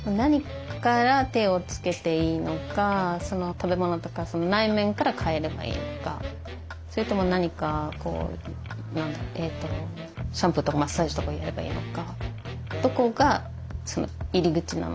食べ物とか内面から変えればいいのかそれとも何かシャンプーとかマッサージとかやればいいのか。